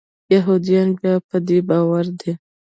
یهودیان بیا په دې باور دي.